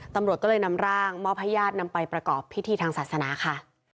ตำรวจก็เลยนำร่างมอบให้ญาตินำไปประกอบพิธีทางศาสนาค่ะ